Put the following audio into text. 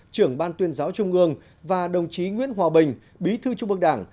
trưởng ban tuyên giáo trung ương và đồng chí nguyễn hòa bình bí thư trung ương đảng